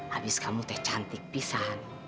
habis kamu teh cantik pisah